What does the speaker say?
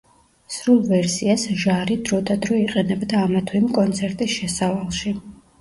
სრულ ვერსიას ჟარი დრო და დრო იყენებდა ამა თუ იმ კონცერტის შესავალში.